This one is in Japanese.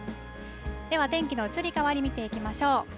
では天気の移り変わり見ていきましょう。